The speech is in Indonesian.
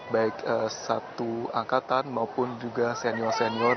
baik satu angkatan maupun juga senior senior